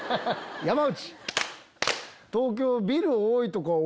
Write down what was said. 山内。